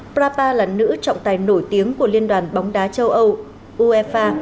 prapa là nữ trọng tài nổi tiếng của liên đoàn bóng đá châu âu uefa